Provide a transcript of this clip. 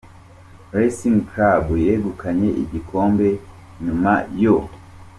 Racing Club yegukanye igikombe nyuma yo